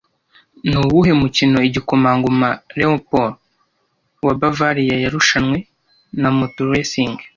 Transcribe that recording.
Ni uwuhe mukino igikomangoma Leopold wa Bavariya yarushanwe na Motor Racing